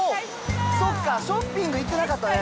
そうか、ショッピング行ってなかったね。